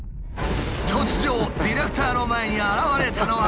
突如ディレクターの前に現れたのは。